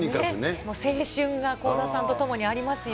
もう青春が倖田さんと共にありますよ。